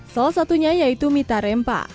salah satunya yaitu mita rempa